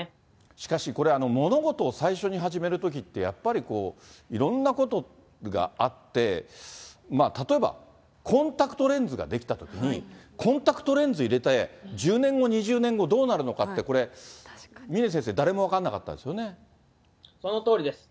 しかしこれ、物事を最初に始めるときって、やっぱり、いろんなことがあって、例えばコンタクトレンズが出来たときに、コンタクトレンズ入れて、１０年後、２０年後、どうなるのかって、これ、峰先生、そのとおりです。